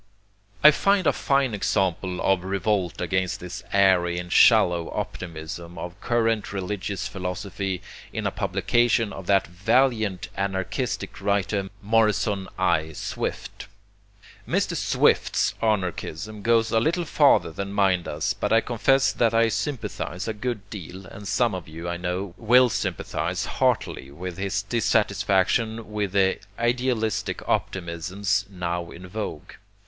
I find a fine example of revolt against the airy and shallow optimism of current religious philosophy in a publication of that valiant anarchistic writer Morrison I. Swift. Mr. Swift's anarchism goes a little farther than mine does, but I confess that I sympathize a good deal, and some of you, I know, will sympathize heartily with his dissatisfaction with the idealistic optimisms now in vogue.